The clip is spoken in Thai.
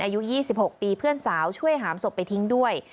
อายุ๒๖ปีเพื่อนสาวช่วยหามศพไปทิ้งด้วย